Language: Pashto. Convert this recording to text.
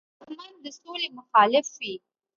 دښمن د سولې مخالف وي